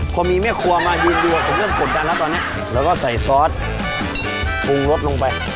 พอมีแม่ครัวมายืนดูผมก็กดดันแล้วตอนนี้เราก็ใส่ซอสปรุงรสลงไป